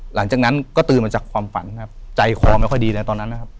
หลังจากนั้นก็ตื่นมาจากความฝันครับใจคอไม่ค่อยดีเลยตอนนั้นนะครับ